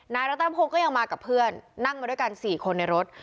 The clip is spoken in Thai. รัตนพงศ์ก็ยังมากับเพื่อนนั่งมาด้วยกัน๔คนในรถ